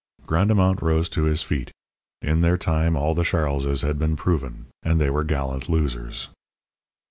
Grandemont rose to his feet. In their time all the Charleses had been proven, and they were gallant losers.